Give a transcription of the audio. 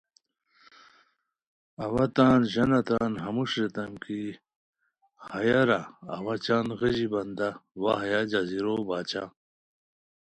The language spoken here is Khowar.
اوا تان ژانہ تان ہموݰ ریتام کی ہیارہ اوا چنغیژی بندہ وا ہیہ جزیرو باچھا